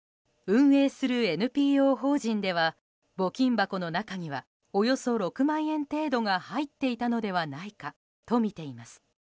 運営するＮＰＯ法人では募金箱の中にはおよそ６万円程度が入っていたのではないかとみています。